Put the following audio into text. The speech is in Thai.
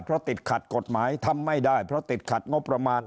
เพราะติดขัดกฎหมายทำไม่ได้เพราะติดขัดงบประมาณ